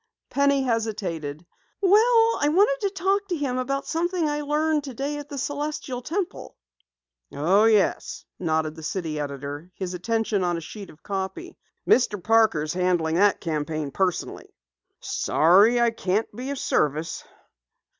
Penny hesitated. "Well, I wanted to talk to him about something I learned today at the Celestial Temple." "Oh, yes," nodded the city editor, his attention on a sheet of copy. "Mr. Parker is handling the campaign personally. Sorry I can't be of service."